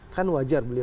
kan wajar beliau